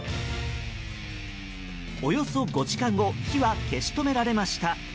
およそ５時間後火は消し止められました。